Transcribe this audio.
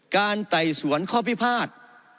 ไต่สวนข้อพิพาท